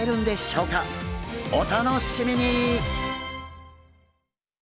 お楽しみに！